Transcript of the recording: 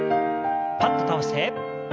パッと倒して。